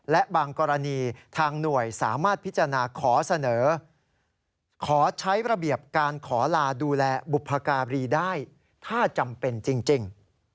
และบางกรณีทางหน่วยสามารถพิจารณาขอเสนอขอใช้ระเบียบการขอลาดูแลบุพการีได้ถ้าจำเป็นจริง